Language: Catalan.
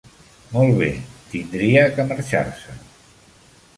Molt bé, tindria que marxar-se.